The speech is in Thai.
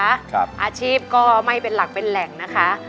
อาชีพก็ไม่เป็นหลักเป็นแหล่งนะคะ